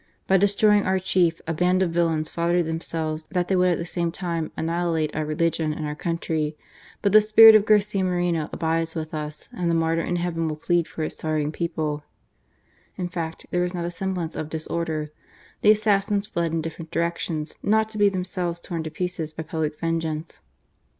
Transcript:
.. .By destroying our chief, a band of villains flattered themselves that they would at the same time annihilate our religion and our country. But the spirit of Garcia Moreno abides with us, and the martyr in Heaven will plead for his sorrowing people." In fact, there was not a semblance of disorder : the assassins fled in different directions not to be themselves torn in pieces by public vengeance.